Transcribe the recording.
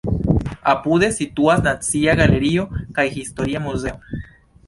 Apude situas Nacia Galerio kaj Historia Muzeo.